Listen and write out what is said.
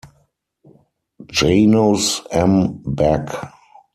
Janos M. Bak.